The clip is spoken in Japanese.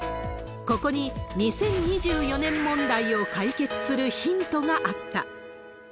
ここに、２０２４年問題を解決するヒントがあった。